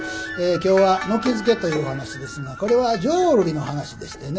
今日は「軒づけ」というお噺ですがこれは浄瑠璃の噺でしてね